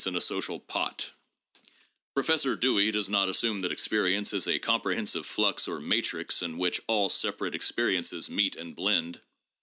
176 THE JOURNAL OF PHILOSOPHY Professor Dewey does not assume that experience is a compre hensive flux or matrix in which all separate experiences meet and blend.